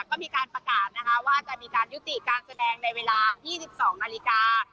ก็มีการประกาศนะคะว่าจะมีการยุติการแสดงในเวลา๒๒นาฬิกา